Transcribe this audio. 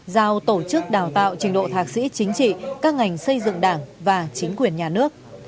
giao tổ chức đào tạo trình độ thạc sĩ chính trị các ngành xây dựng đảng và chính quyền nhà nước